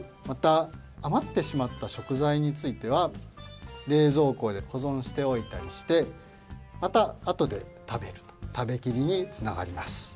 またあまってしまったしょくざいについてはれいぞうこでほぞんしておいたりしてまたあとで食べると食べキリにつながります。